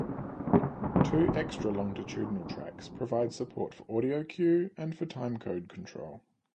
Two extra longitudinal tracks provide support for audio cue and for timecode control.